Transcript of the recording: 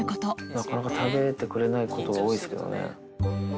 なかなか食べてくれないことが多いですけどね。